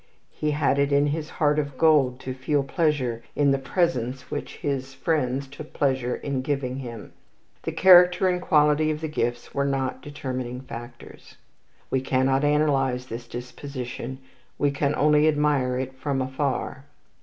He had it in his heart of gold to feel pleasure in the presents which his friends took pleasure in giving him. The character and quality of the gifts were not determining factors. We cannot analyze this disposition. We can only admire it from afar.